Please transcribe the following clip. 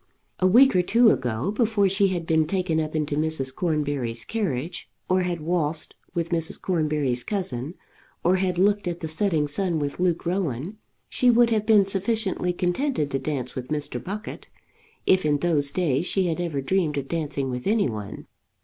A week or two ago, before she had been taken up into Mrs. Cornbury's carriage, or had waltzed with Mrs. Cornbury's cousin, or had looked at the setting sun with Luke Rowan, she would have been sufficiently contented to dance with Mr. Buckett, if in those days she had ever dreamed of dancing with any one.